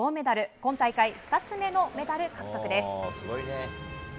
今大会２つ目のメダル獲得です。